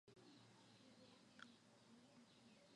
El segundo verso cierra la primera unidad interna de la estrofa.